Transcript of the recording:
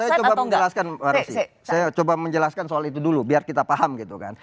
saya coba menjelaskan saya coba menjelaskan soal itu dulu biar kita paham gitu kan